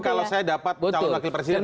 kalau saya dapat calon wakil presiden